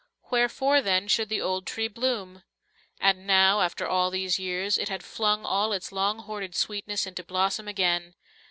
Wherefore, then, should the old tree bloom? And now, after all these years, it had flung all its long hoarded sweetness into blossom again.